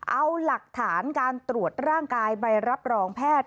เอาหลักฐานการตรวจร่างกายใบรับรองแพทย์